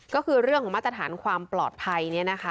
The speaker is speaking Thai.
ก็คือเรื่องของมาตรฐานความปลอดภัย